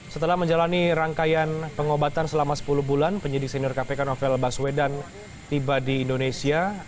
setelah menjalani rangkaian pengobatan selama sepuluh bulan penyidik senior kpk novel baswedan tiba di indonesia